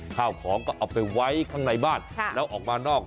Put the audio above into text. ข้าวของก็เอาไปไว้ข้างในบ้านแล้วออกมานอก